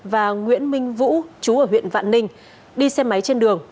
và nguyễn minh vũ chú ở huyện vạn ninh đi xe máy trên đường